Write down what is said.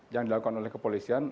yang dilakukan oleh kepolisian